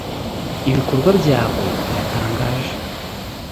ibikorwa byawe biratangaje